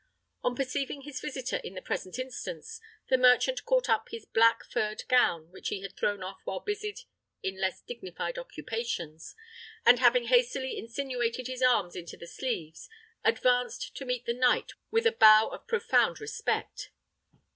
On perceiving his visitor in the present instance, the merchant caught up his black furred gown, which he had thrown off while busied in less dignified occupations, and having hastily insinuated his arms into the sleeves, advanced to meet the knight with a bow of profound respect.